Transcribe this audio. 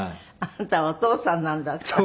「あなたはお父さんなんだから」。